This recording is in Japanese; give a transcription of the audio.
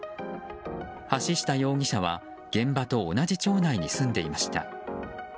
橋下容疑者は現場と同じ町内に住んでいました。